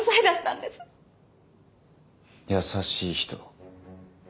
優しい人。